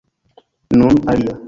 Nun alia!